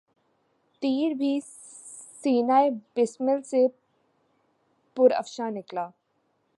تیر بھی سینہٴ بسمل سے پرافشاں نکلا